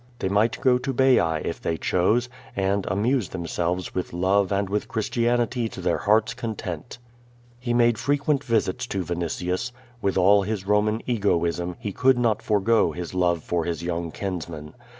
They might go to Baiac if they chose, and amuse themselves with love and with Christianity to their heart's content. He made frequent visits to Vinitius. With all his Roman egoism, he could not forgo his love for his young kinsman.